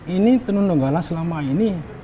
ini tenun donggala selama ini